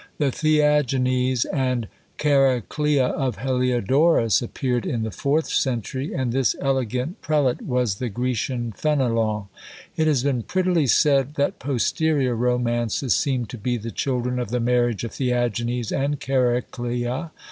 The Theagenes and Chariclea of Heliodorus appeared in the fourth century; and this elegant prelate was the Grecian Fenelon. It has been prettily said, that posterior romances seem to be the children of the marriage of Theagenes and Chariclea.